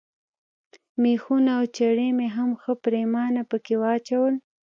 مېخونه او چرې مې هم ښه پرېمانه پکښې واچول.